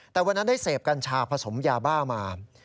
แต่วันนั้นได้เสพกัญชาผสมยาบ้ามา